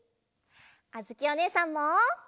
あづきおねえさんも。